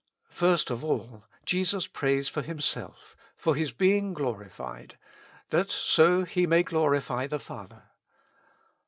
First of all, Jesus prays for Himself, for His being glorified, that so He may glorify the Father.